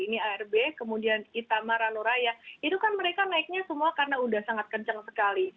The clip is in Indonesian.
ini arb kemudian itama ranuraya itu kan mereka naiknya semua karena sudah sangat kencang sekali